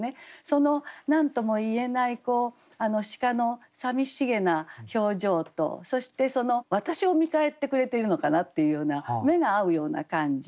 その何とも言えない鹿のさみしげな表情とそして私を見返ってくれているのかなっていうような目が合うような感じ。